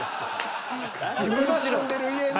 今住んでる家の。